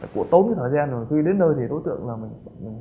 cụ tốn thời gian rồi khi đến nơi thì đối tượng là mình